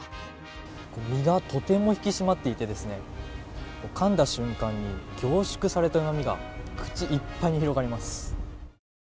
身がとても引き締まっていて、かんだ瞬間に凝縮されたうまみが口いっぱいに広がります。